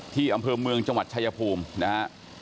อำเภอเมืองจังหวัดชายภูมินะฮะ